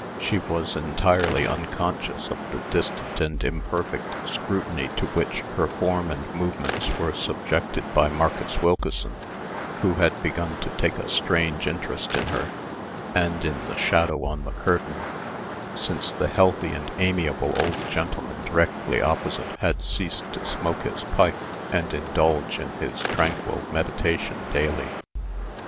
She was entirely unconscious of the distant and imperfect scrutiny to which her form and movements were subjected by Marcus Wilkeson, who had begun to take a strange interest in her, and in the shadow on the curtain, since the healthy and amiable old gentleman directly opposite had ceased to smoke his pipe and indulge in his tranquil meditation daily.